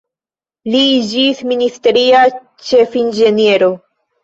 Li iĝis ministeria ĉefinĝeniero.